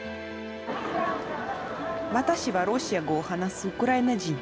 私はロシア語を話すウクライナ人。